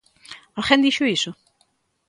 Alguén dixo iso?